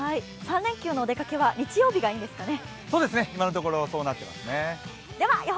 ３連休のお出かけは日曜日がいいですかね。